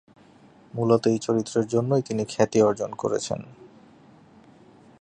মূলত এই চরিত্রের জন্যই তিনি খ্যাতি অর্জন করেছেন।